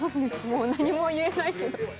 もう何も言えないけど。